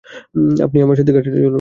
আপনি আমার সাথে ঘাঁটিতে চলুন।